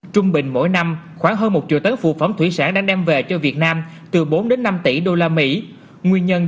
trận đấu của đội nhà